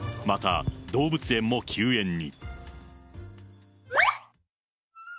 また、動物園も休園に。